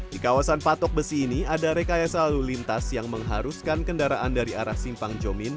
di kawasan patok besi ini ada rekayasa lalu lintas yang mengharuskan kendaraan dari arah simpang jomin